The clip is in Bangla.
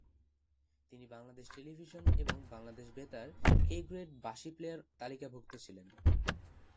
তিনি বাংলাদেশ টেলিভিশন এবং বাংলাদেশ বেতার এ-গ্রেড বাঁশি প্লেয়ার তালিকাভুক্ত ছিলেন।